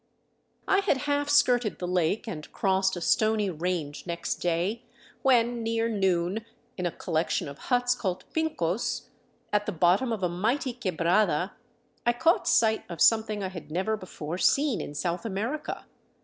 I had half skirted the lake and crossed a stony range next day when, near noon, in a collection of huts called Pincos, at the bottom of a mighty quebrada, I caught sight of something I had never before seen in South America.